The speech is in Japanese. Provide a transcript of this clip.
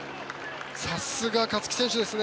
さすが勝木選手ですね。